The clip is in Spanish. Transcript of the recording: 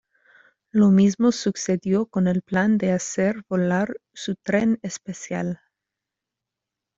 Lo mismo sucedió con el plan de hacer volar su tren especial.